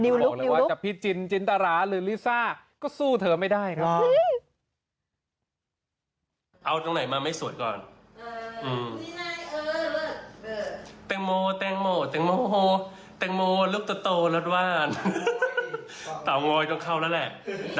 บอกเลยว่าจะพี่จินจินตราหรือลิซ่าก็สู้เธอไม่ได้ครับ